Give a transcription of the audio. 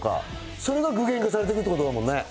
それが具現化されてくってことだもんね。